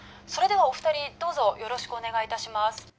それではお二人どうぞよろしくお願いいたします